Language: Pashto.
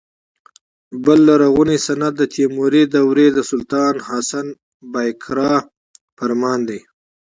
بل لرغونی سند د تیموري دورې د سلطان حسن بایقرا فرمان دی.